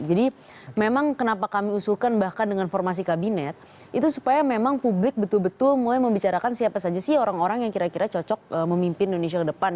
jadi memang kenapa kami usulkan bahkan dengan formasi kabinet itu supaya memang publik betul betul mulai membicarakan siapa saja sih orang orang yang kira kira cocok memimpin indonesia ke depan